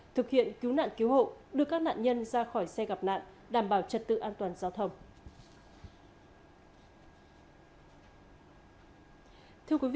thực hiện cứu nạn cứu hộ đưa các nạn nhân ra khỏi xe gặp nạn đảm bảo trật tự an toàn giao thông